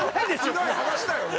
ひどい話だよね。